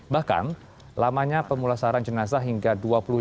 bahkan lamanya pemulasaran jenazah hingga dua puluh lima